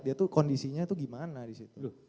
dia tuh kondisinya tuh gimana disitu